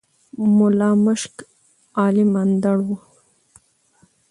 ملا مُشک عالَم اندړ وو